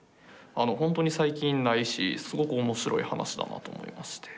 あのほんとに最近ないしすごく面白い話だなと思いまして。